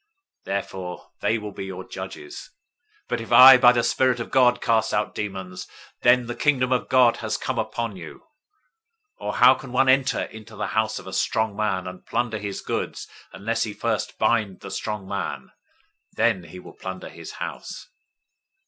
Therefore they will be your judges. 012:028 But if I by the Spirit of God cast out demons, then the Kingdom of God has come upon you. 012:029 Or how can one enter into the house of the strong man, and plunder his goods, unless he first bind the strong man? Then he will plunder his house.